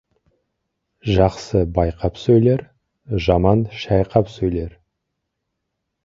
Жақсы байқап сөйлер, жаман шайқап сөйлер.